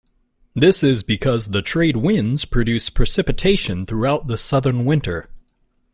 This is because the trade winds produce precipitation throughout the southern winter.